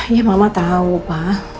ya mama tau pak